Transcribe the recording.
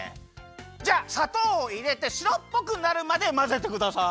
じゃあさとうをいれてしろっぽくなるまでまぜてください。